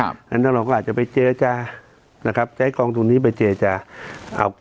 มาอยากเลือกว่าจะไปเจจาใช้กองทุนนี้ไปเจจา